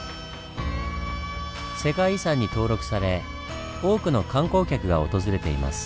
世界遺産に登録され多くの観光客が訪れています。